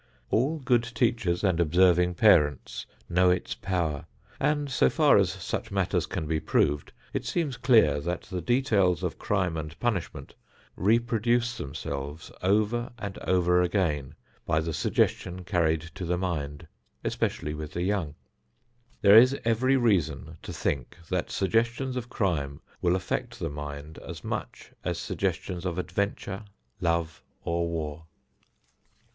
All good teachers and observing parents know its power and, so far as such matters can be proved, it seems clear that the details of crime and punishment reproduce themselves over and over again by the suggestion carried to the mind, especially with the young. There is every reason to think that suggestions of crime will affect the mind as much as suggestions of adventure, love or war.